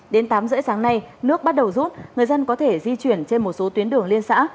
đến tám h ba mươi sáng nay nước bắt đầu rút người dân có thể di chuyển trên một số tuyến đường liên xã